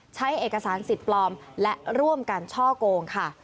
ใช้เอกสารสิทธิ์ปลอมและร่วมกันช่อโกงค่ะ